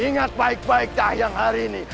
ingat baik baik dah yang hari ini